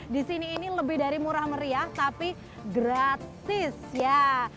di sini ini lebih dari murah meriah tapi gratis ya